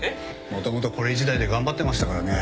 もともとこれ１台で頑張ってましたからね。